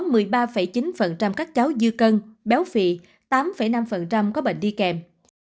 trong con số này có một mươi ba chín các cháu dư cân béo phị tám năm có bệnh đi kèm